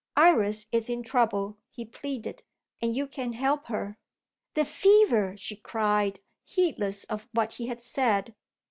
"Iris is in trouble," he pleaded, "and you can help her." "The fever!" she cried, heedless of what he had said.